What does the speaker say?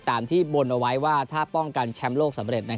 ตามที่บนเอาไว้ว่าถ้าป้องกันแชมป์โลกสำเร็จ